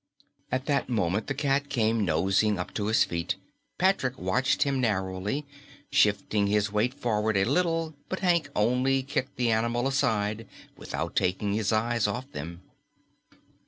At that moment the cat came nosing up to his feet. Patrick watched him narrowly, shifting his weight forward a little, but Hank only kicked the animal aside without taking his eyes off them.